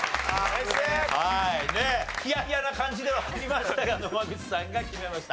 はいねっヒヤヒヤな感じではありましたが野間口さんが決めました。